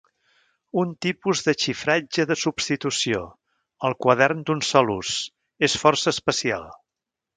Un tipus de xifratge de substitució, el quadern d'un sol ús, és força especial.